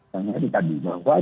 yang amerika di bawah